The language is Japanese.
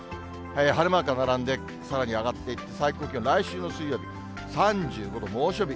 晴れマークが並んで、さらに上がって、最高気温、来週の水曜日、３５度、猛暑日。